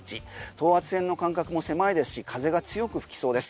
等圧線の間隔も狭いですし風が強く吹きそうです。